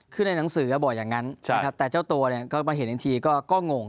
คือในหนังสือบอกอย่างนั้นแต่เจ้าตัวก็มาเห็นอีกทีก็งง